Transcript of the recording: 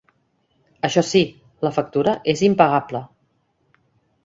Això sí, la factura és impagable.